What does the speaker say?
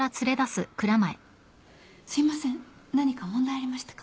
すいません何か問題ありましたか？